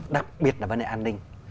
đặc biệt là vấn đề an ninh